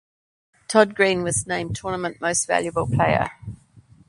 Todd Greene was named Tournament Most Valuable Player.